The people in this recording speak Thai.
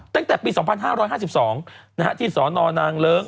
ตั้งแต่ปี๒๕๕๒ที่สนนางเลิ้ง